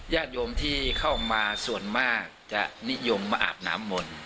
ญาติโยมที่เข้ามาส่วนมากจะนิยมมาอาบน้ำมนต์